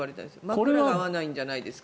枕が合わないんじゃないですか